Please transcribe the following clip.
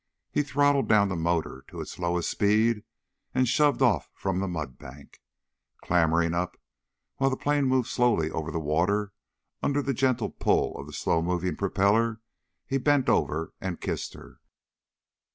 He throttled down the motor to its lowest speed and shoved off from the mud bank. Clambering up, while the plane moved slowly over the water under the gentle pull of the slow moving propeller, he bent over and kissed her.